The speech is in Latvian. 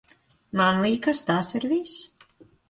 Man likās, tas ir viss.